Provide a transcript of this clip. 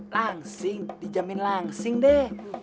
langsing dijamin langsing deh